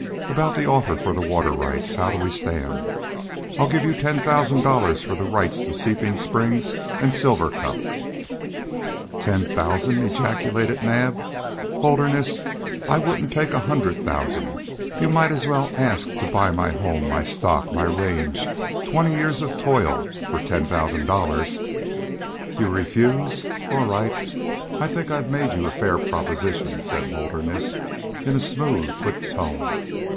About the offer for the water rights how do we stand? I'll give you ten thousand dollars for the rights to Seeping Springs and Silver Cup." "Ten thousand!" ejaculated Naab. "Holderness, I wouldn't take a hundred thousand. You might as well ask to buy my home, my stock, my range, twenty years of toil, for ten thousand dollars!" "You refuse? All right. I think I've made you a fair proposition," said Holderness, in a smooth, quick tone.